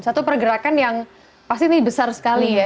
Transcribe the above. satu pergerakan yang pasti ini besar sekali ya